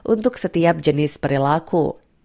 untuk setiap jenis perilaku